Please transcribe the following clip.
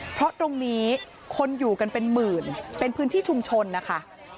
เพราะตรงนี้คนอยู่กันเป็นหมื่นเป็นพื้นที่ชุมชนนะคะ